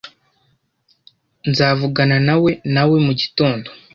Nzavuganawe nawe mugitondo.